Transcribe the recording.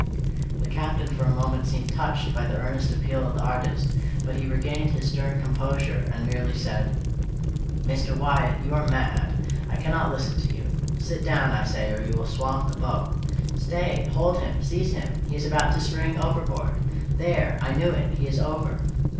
The Captain for a moment seemed touched by the earnest appeal of the artist, but he regained his stern composure, and merely said: "Mr. Wyatt, you are mad. I cannot listen to you. Sit down, I say, or you will swamp the boat. Stay! hold him, seize him! he is about to spring overboard! There I knew it he is over!"